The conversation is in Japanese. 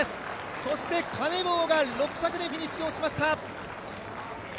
そしてカネボウが６着でフィニッシュしました。